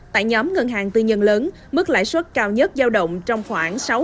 tại nhóm ngân hàng tư nhân lớn mức lãi xuất cao nhất giao động trong khoảng sáu chín bảy năm một năm